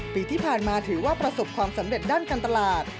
ปีที่ผ่านมาถือว่าประสบความสำเร็จด้านการตลาด